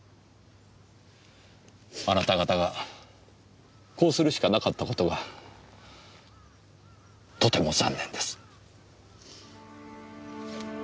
あなた方がこうするしかなかった事がとても残念です。